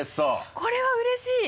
これはうれしい。